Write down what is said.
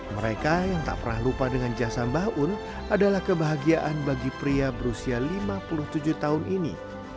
mereka yang tak pernah lupa dengan jasa mbah un adalah kebahagiaan bagi pria berusia lima puluh tujuh tahun ini